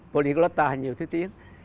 polyglotta nhiều thứ tiếng